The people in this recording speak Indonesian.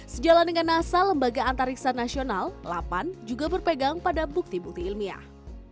sejalan dengan nasa lembaga antariksa nasional lapan juga berpegang pada bukti bukti ilmiah